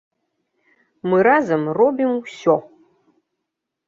Мы разам робім усё!